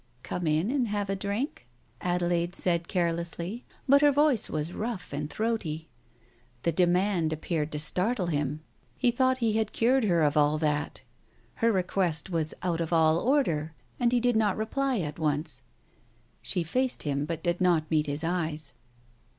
... "Come in and have a drink ?" Adelaide said carelessly, but her voice was rough and throaty. The demand appeared to startle him. He thought he had cured her of £11 that. Her request was out of all order and he did not reply at once. ... She faced him but did not meet his eyes.